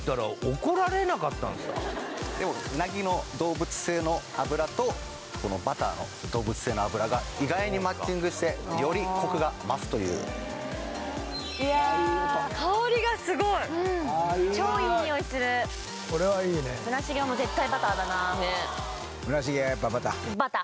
鰻の動物性の脂とバターの動物性の脂が意外にマッチングしてよりコクが増すという香りがすごい超いいにおいする村重も絶対バターだな村重はやっぱバター？